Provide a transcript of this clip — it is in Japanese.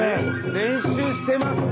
練習してますね。